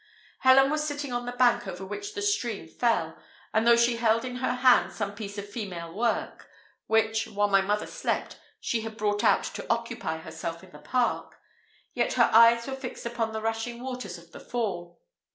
Helen was sitting on the bank over which the stream fell; and though she held in her hand some piece of female work, which, while my mother slept, she had brought out to occupy herself in the park, yet her eyes were fixed upon the rushing waters of the fall.